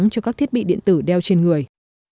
cho các thiết bị điện tử đeo trên người